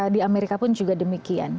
di amerika pun juga demikian